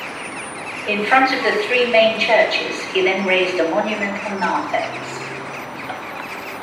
In front of the three main churches, he then raised a monumental narthex.